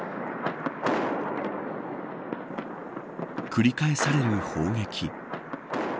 繰り返される砲撃。